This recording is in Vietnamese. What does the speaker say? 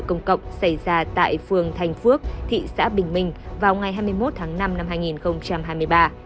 công cộng xảy ra tại phường thành phước thị xã bình minh vào ngày hai mươi một tháng năm năm hai nghìn hai mươi ba